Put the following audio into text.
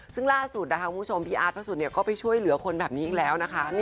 ซึ่งล่าสุดพี่อาร์ดพระสุดก็จะช่วยเหลือคนแบบนี่อีกแล้ว